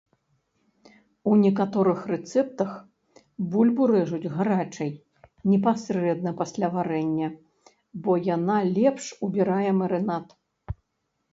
У некаторых рэцэптах бульбу рэжуць гарачай непасрэдна пасля варэння, бо яна лепш убірае марынад.